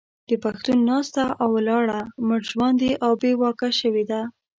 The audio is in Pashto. د پښتون ناسته او ولاړه مړژواندې او بې واکه شوې ده.